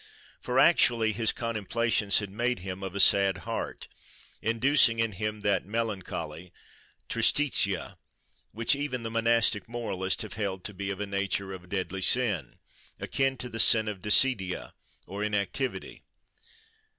For, actually, his contemplations had made him of a sad heart, inducing in him that melancholy—Tristitia—which even the monastic moralists have held to be of the nature of deadly sin, akin to the sin of Desidia or Inactivity.